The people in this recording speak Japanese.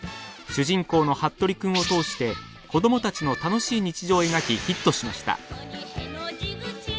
主人公のハットリくんを通して子どもたちの楽しい日常を描きヒットしました。